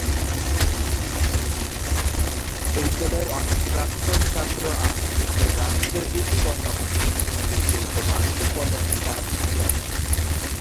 এ বিদ্যালয়ের অনেক প্রাক্তন ছাত্র আজ দেশের রাষ্ট্রের উঁচু পদে অবস্থান করে দেশের ও মানুষের কল্যাণে কাজ করে যাচ্ছে।